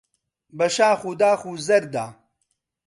بە شاخ و داخ و زەردا